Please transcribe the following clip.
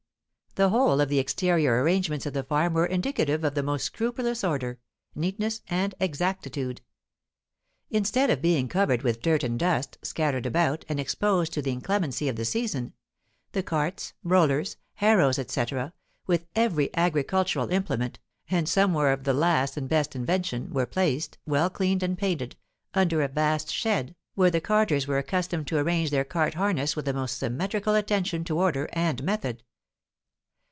The whole of the exterior arrangements of the farm were indicative of the most scrupulous order, neatness, and exactitude. Instead of being covered with dirt and dust, scattered about, and exposed to the inclemency of the season, the carts, rollers, harrows, etc., with every agricultural implement (and some were of the last and best invention), were placed, well cleaned and painted, under a vast shed, where the carters were accustomed to arrange their cart harness with the most symmetrical attention to order and method.